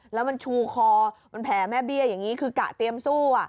แล้วมันชูคอมันแผลแม่เบี้ยอย่างนี้คือกะเตรียมสู้